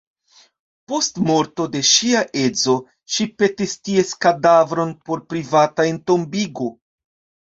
Post morto de ŝia edzo, ŝi petis ties kadavron por privata entombigo.